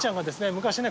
昔ね